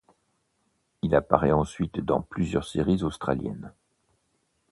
Il apparaît ensuite dans plusieurs séries australiennes.